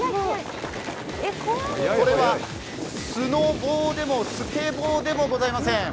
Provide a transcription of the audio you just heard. これはスノボーでもスケボーでもございません。